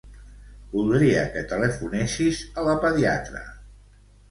Voldria que telefonessis a la pediatra.